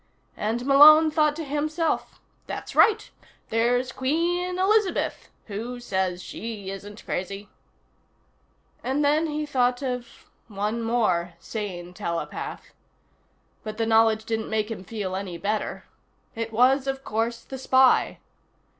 And Malone thought to himself: That's right. There's Queen Elizabeth who says she isn't crazy. And then he thought of one more sane telepath. But the knowledge didn't make him feel any better. It was, of course, the spy.